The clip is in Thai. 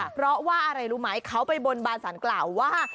เพราะว่าอะไรรู้ไหมเขาไปบนบานสารกล่าวว่า